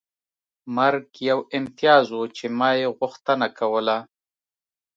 مرګ یو امتیاز و چې ما یې غوښتنه کوله